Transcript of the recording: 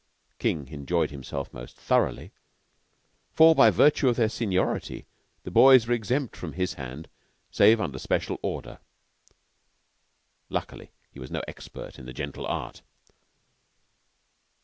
King enjoyed himself most thoroughly, for by virtue of their seniority the boys were exempt from his hand, save under special order. Luckily, he was no expert in the gentle art.